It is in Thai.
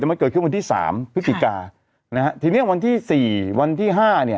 มันเกิดขึ้นวันที่สามพฤศจิกานะฮะทีเนี้ยวันที่สี่วันที่ห้าเนี่ย